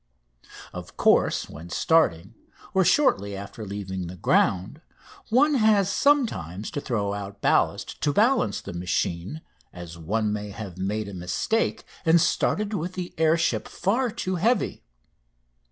Of course, when starting, or shortly after leaving the ground, one has sometimes to throw out ballast to balance the machine, as one may have made a mistake and started with the air ship far too heavy.